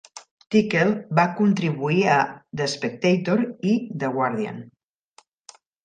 Tickell va contribuir a "The Spectator" i "The Guardian".